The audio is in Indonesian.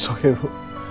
tidak apa apa ibu